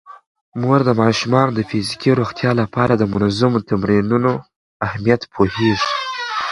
مور د ماشومانو د فزیکي روغتیا لپاره د منظمو تمرینونو اهمیت پوهیږي.